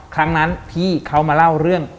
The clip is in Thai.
ครั้งนั้นพี่เขามาเล่าเรื่อง